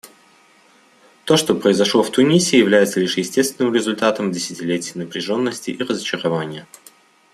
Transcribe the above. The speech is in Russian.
То, что произошло в Тунисе, является лишь естественным результатом десятилетий напряженности и разочарования.